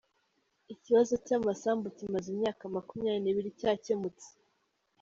Ikibazo cy’amasambu kimaze imyaka makumyabiri nibiri cyakemutse